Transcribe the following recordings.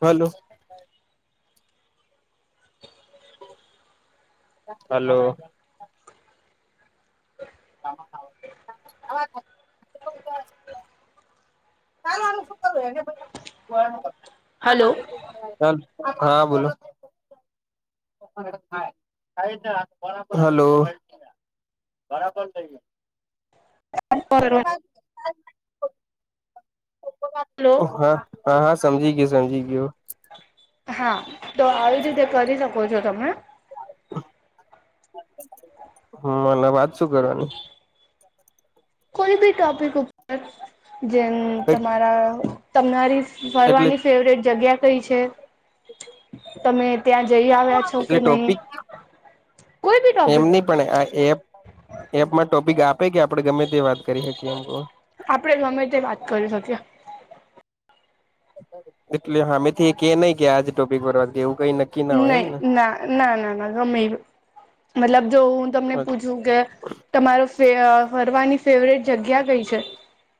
Hello. Hello? [unintelligible] ચાલો આનું શું કરું એને હલો હા. હા બોલો હલો [unintelligible] હલો [unintelligible] હા હા હા સમજીી ગિયો [unintelligible] હા. તો આવી રીતે કરી શકો છો તમે. હમ મને વાત શું કરવાની. કોઈ બી ટોપિક ઉપ ઉપર. જેમ તમારા તમારી એટલે ફરવાની ફેવરેટ જગ્યા થઈ છે. તમે ત્યાં જઈ આવ્યા છો કે એટલે નહીં ટોપિક કોઈ બી ટોપિક એમની પણ આ એપમાં ટોપિક આપ કે આપણે ગમે તે વાત કરી શકીએ એમ ક આપણેે અમે તે વાત કરી શકિયે એટલે હમેથી કે નહી કે આજે ટોપિક ભરવાથી એવું. કઈ નક્કી ના હોય એમ નહી ને ના ના ના ના ગમે મતલબ જો હું તમને પૂછું કે તમારો ફરવાની ફેવરેટ જગ્યા કઈ છે.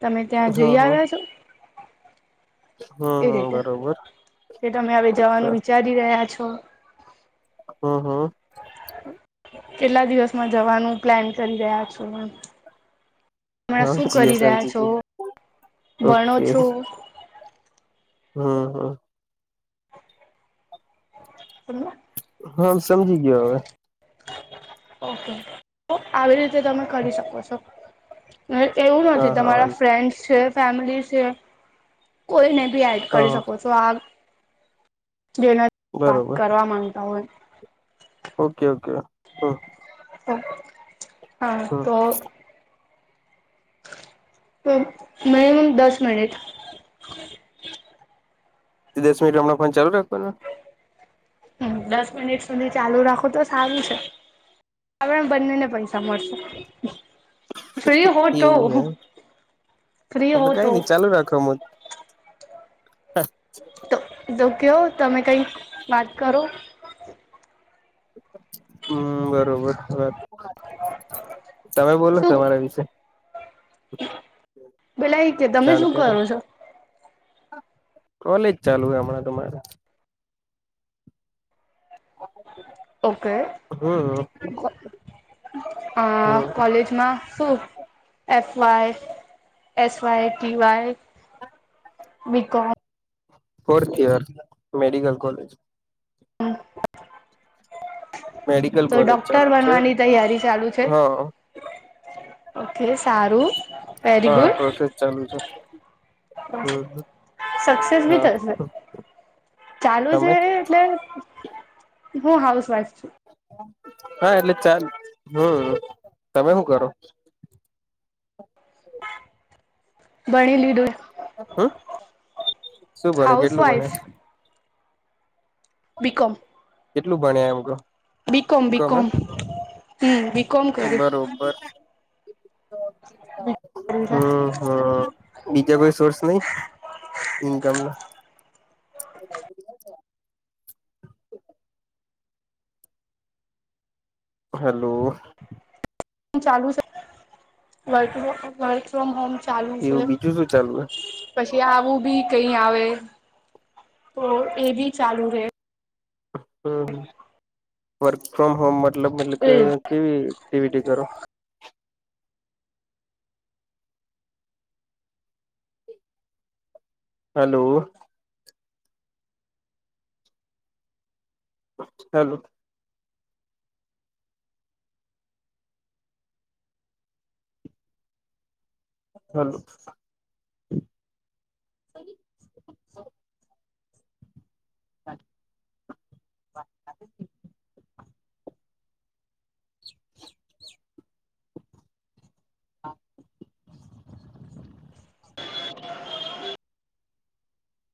તમે ત્યાં હા જઈ હા આવ્યા છો. હમ એ હમ રીતે બરોબર તે તમે હવે અચ્છા જવાનું વિચારી રહ્યા છો. તો [unintelligible] હમ હમ કેટલા દિવસમાં જવાનું પ્લાન કરી રહ્યા છો હ હમણાં હા શું જી કરી રહ્યા સમજી છો ગયું ભણો ઓકે છો હમ હા હા સમજી ગયા હવે ઓકે આવી રીતે [unintelligible] જે તમે કરી શકો છો. હ [unintelligible] એવું હા નથી હા તમારા વાંધ ફ્રેન્ડસ છે. ફેમલી છે કોઈ નહી બી એડ હા કરી શકો હા છો આ જેના વાત બરોબર કરવા માંગતા હોય ઓકે ઓકે હ હમ [unintelligible] હા તો તો મેમ દસ મિનિટ દસ મિનિટ હમણાં ફોન ચાલુ રાખવાનો. દસ મિનિટ સુધી ચાલુ રાખું તો સારું છે, આપ બંનેને પૈસા મળશે. ફ્રી હો તો એવું હેમ, ફ્રી તો હો કઈ નહી, ચાલુ રાખોમ. હા તમે કંઈક, તમે કઈ વાત કરો. [unintelligible] [inaudible] હમ, બરોબર તમે બોલો શું તમારા વિશે [unintelligible] [inaudible] પેલા એ, કે તમે શું જાણકારી કરો છો. કોલેજ, ચાલુ હમણાં તમારે. ઓકે હમ આ હમ કોલેજમા શું F Y, S Y, T Y BCom fourth year, medical college medical તો કોલેજ ડોક્ટર ચાલુ છે બનવાની, તૈયારી ચાલુ છે. હા ઓકે, સારું વેરી હા ગુડ, પ્રોસેસ ચાલુ છે હમ સક્સેસ બી હા થશે ચાલુ છે, તમે એટલે હું, હાઉસ વાફ હા હા, એટલે ચાલ, હમ તમે હું, કરો? બણી, લીડુ હમ, શું ભણે કેટલું ભણે હાઉસવાઈફ બીકમ કેટલું ભણ્યા એમ બકોમ, કોમે બિકમ. હમ બ. બરોબર. હા, હા બીજા કોઈ, સોર્સ નહી? ઇન કમલા. હલો. ચાલુ છે, વક ફ્રોમ હોમ. [unintelligible] એવું બીજું શું ચાલું, એમ. પછી આવું બી કઈ, આવે તો એ બી ચાલુ રહેે હ, વર્ક ફ્રોમ હોમમા. મતલબ મતલબ, કે એજ કેવી ટીવીટી, કરો હલો. હલો. હાલો [unintelligible] [unintelligible]